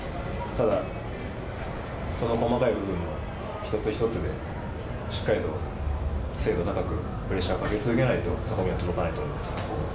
ただ、その細かい部分の一つ一つで、しっかりと精度高く、プレッシャーをかけ続けないと、そこには届かないと思います。